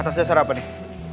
atas dasar apa nih